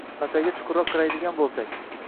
Masalaga chuqurroq qaraydigan bo‘lsak